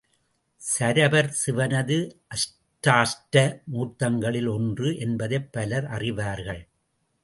சரபர் சிவனது அஷ்டாஷ்ட மூர்த்தங்களில் ஒன்று என்பதைப் பலர் அறிவார்கள்.